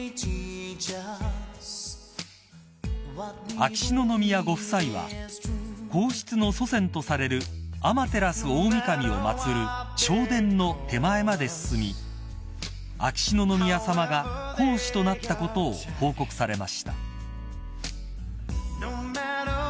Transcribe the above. ［秋篠宮ご夫妻は皇室の祖先とされる天照大御神を祭る正殿の手前まで進み秋篠宮さまが皇嗣となったことを報告されました］